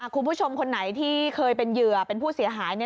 คุณผู้ชมคนไหนที่เคยเป็นเหยื่อเป็นผู้เสียหาย